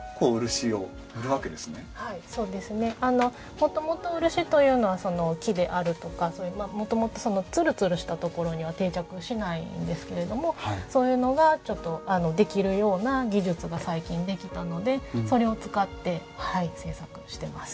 もともと漆というのは木であるとかもともとツルツルしたところには定着しないんですけれどもそういうのがちょっとできるような技術が最近できたのでそれを使って制作してます。